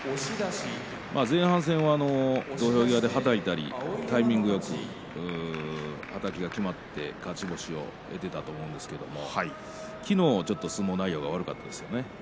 前半戦は土俵際はたいたりタイミングよくはたきがきまって勝ち星を得ていたと思うんですけれど昨日はちょっと相撲内容が悪かったですね。